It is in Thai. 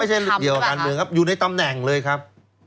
เกี่ยวกับการเมืองครับอยู่ในตำแหน่งเลยครับ